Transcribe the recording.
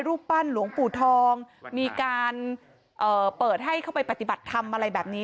รูปปั้นหลวงปู่ทองมีการเปิดให้เข้าไปปฏิบัติธรรมอะไรแบบนี้